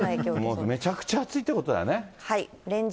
もうめちゃくちゃ暑いということですね。